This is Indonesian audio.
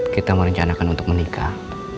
kita merencanakan untuk menikah